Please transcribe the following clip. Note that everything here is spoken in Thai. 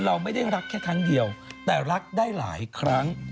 เราไม่ได้รักแค่ครั้งเดียวแต่รักได้หลายครั้ง